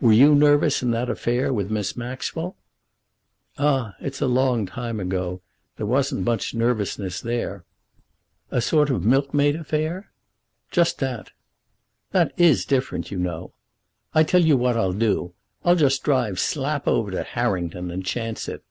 Were you nervous in that affair with Miss Maxwell?" "Ah; it's a long time ago. There wasn't much nervousness there." "A sort of milkmaid affair?" "Just that." "That is different, you know. I'll tell you what I'll do. I'll just drive slap over to Harrington and chance it.